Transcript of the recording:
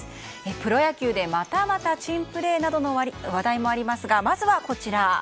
プロ野球でまたまた珍プレーなどの話題もありますがまずは、こちら。